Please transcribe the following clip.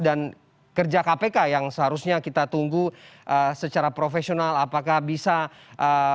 dan kerja kpk yang seharusnya kita tunggu secara profesional apakah bisa tanpa pilah pilihan